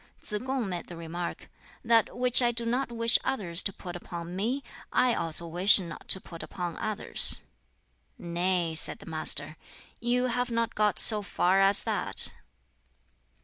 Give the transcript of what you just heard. Tsz kung made the remark: "That which I do not wish others to put upon me, I also wish not to put upon others." "Nay," said the Master, "you have not got so far as that."